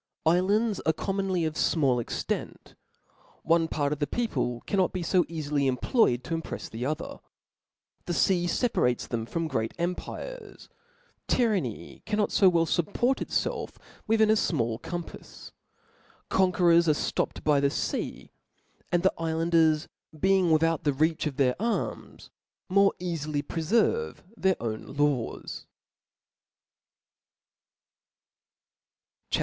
Iflands are commonly of a fmall * extent ; one part of the people cannot be fo eafify employed to op prefs the other ; the fea feparates them from great em pires ; tyranny cannot fo well fupport itfclf withia afmallcompafs; conquerors are (topped by the fea v and the iQanders being without the reach of their arms, more cafily preferve their own lawsw CHAP.